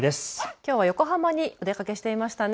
きょうは横浜にお出かけしていましたね。